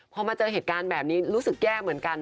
พอมาเจอเหตุการณ์แบบนี้รู้สึกแย่เหมือนกัน